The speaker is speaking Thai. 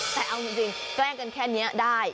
แต่เอาจริงแกล้งกันแค่นี้ได้